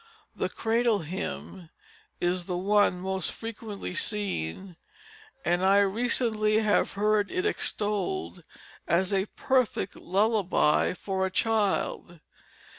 The Cradle Hymn is the one most frequently seen, and I recently have heard it extolled as "a perfect lullaby for a child."